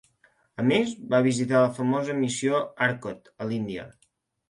A més, va visitar la famosa Missió Arcot a l'Índia.